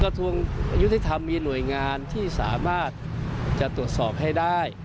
กระทรวงยุติธรรมมีหน่วยงานที่สามารถจะตรวจสอบให้ได้